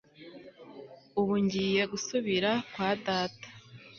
ubu ngiye gusubira kwa data